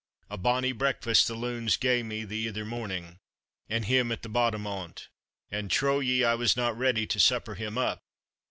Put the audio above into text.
A bonny breakfast the loons gae me the ither morning, and him at the bottom on't; and trow ye I wasna ready to supper him up?